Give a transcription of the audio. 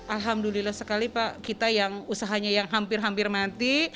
alhamdulillah sekali pak kita yang usahanya yang hampir hampir mati